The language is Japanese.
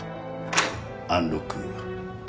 アンロック完了。